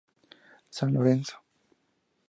San Lorenzo.